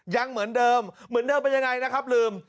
ยังเหมือนเดิมเหมือนเดิมเป็นยังไงนะครับลืม